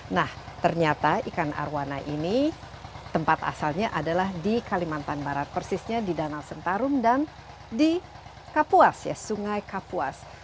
nah ternyata ikan arowana ini tempat asalnya adalah di kalimantan barat persisnya di danau sentarum dan di kapuas sungai kapuas